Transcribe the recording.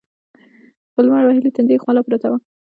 په لمر وهلي تندي يې خوله پرته وه.